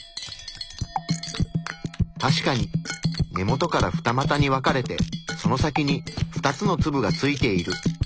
確かに根元から二またに分かれてその先に２つの粒がついている。